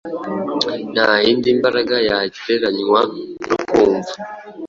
Nta yindi mbaraga yagereranywa no kumva